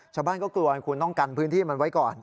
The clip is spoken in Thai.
ชาวบ้านก็กลัวคุณต้องกันพื้นที่มันไว้ก่อน